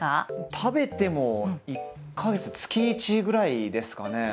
食べても１か月月１ぐらいですかね。